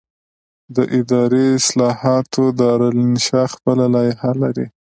د اداري اصلاحاتو دارالانشا خپله لایحه لري.